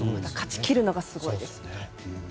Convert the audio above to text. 勝ち切るのがすごいです。